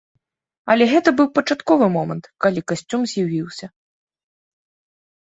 Але гэта быў пачатковы момант, калі касцюм з'явіўся.